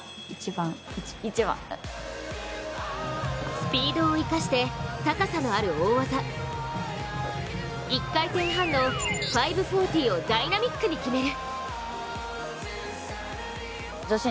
スピードを生かして、高さのある大技、１回転半の５４０をダイナミックに決める。